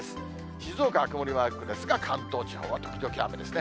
静岡は曇りマークですが、関東地方は時々雨ですね。